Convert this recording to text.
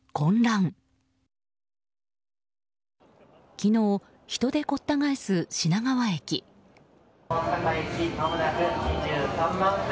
昨日、人でごった返す品川駅。